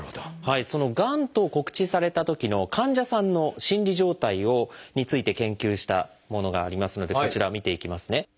そのがんと告知されたときの患者さんの心理状態について研究したものがありますのでこちら見ていきますね。